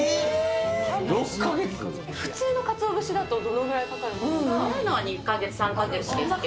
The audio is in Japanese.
普通のかつお節だとどのぐらいかかるものなんですか？